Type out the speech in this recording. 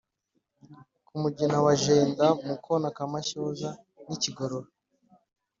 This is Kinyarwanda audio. ku mugina wa jenda, mu kona ka mashyoza n'i kigorora